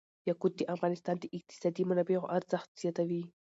یاقوت د افغانستان د اقتصادي منابعو ارزښت زیاتوي.